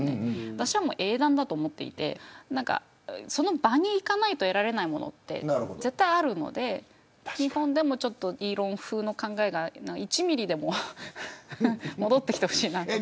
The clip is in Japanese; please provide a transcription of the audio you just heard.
私は英断だと思っていてその場に行かないと得られないものって絶対あるので日本でも彼のような考えが１ミリでも戻ってきてほしいなと。